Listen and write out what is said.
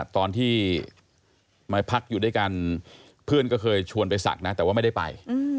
ตอนที่มาพักอยู่ด้วยกันเพื่อนก็เคยชวนไปศักดิ์นะแต่ว่าไม่ได้ไป